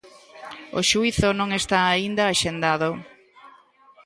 O xuízo non está aínda axendado.